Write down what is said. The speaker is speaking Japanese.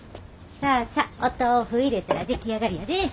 さあさお豆腐入れたら出来上がりやで。